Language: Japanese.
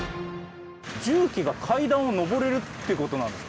重機が階段を上れるってことなんですか？